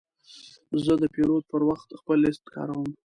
زه د پیرود پر وخت خپل لیست کاروم.